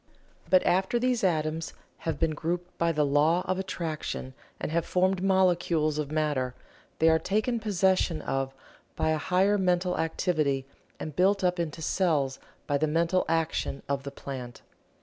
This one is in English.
But after these atoms have been grouped by the law of attraction and have formed molecules of matter, they are taken possession of by a higher mental activity and built up into cells by the mental action of the plant.